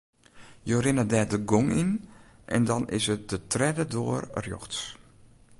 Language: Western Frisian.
Jo rinne dêr de gong yn en dan is it de tredde doar rjochts.